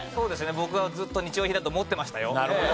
僕はずっと日用品だと思ってましたよ。